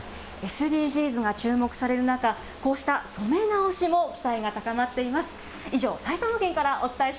ＳＤＧｓが注目される中、こうした染め直しも期待が高まっています。